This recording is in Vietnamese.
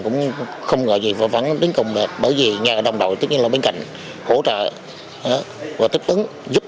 những vệ mạc tinh thần